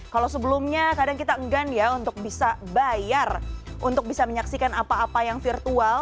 kalau sebelumnya kadang kita enggan ya untuk bisa bayar untuk bisa menyaksikan apa apa yang virtual